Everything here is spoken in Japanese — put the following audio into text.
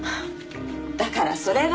だからそれは。